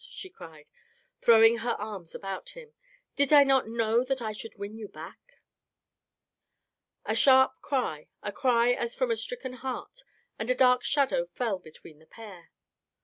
she cried, throwing her arms about him. " Did I not know that I should win you back ?" A sharp cry, a cry as from a stricken heart, and a dark shadow fell between the pair.